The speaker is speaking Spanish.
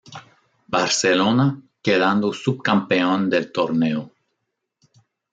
Barcelona, quedando subcampeón del torneo.